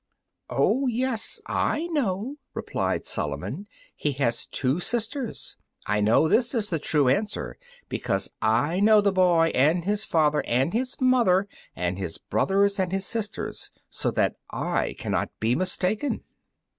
"Oh, yes, I know," replied Solomon; "he has two sisters. I know this is the true answer, because I know the boy and his father and his mother and his brothers and his sisters, so that I cannot be mistaken."